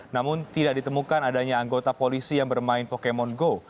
namun tidak ditemukan adanya anggota polisi yang bermain pokemon go